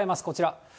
こちら。